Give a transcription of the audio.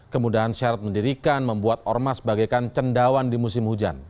kemudahan syarat mendirikan membuat ormas bagaikan cendawan di musim hujan